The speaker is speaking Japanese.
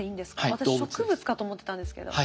私植物かと思ってたんですけど。